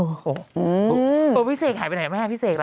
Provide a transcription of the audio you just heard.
อืมตัวพี่เศกหายไปไหนแม่พี่เศกล่ะ